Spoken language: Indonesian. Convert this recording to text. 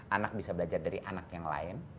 anak bisa belajar dari anak yang lain